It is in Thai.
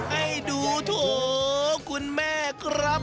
ให้ดูโถคุณแม่ครับ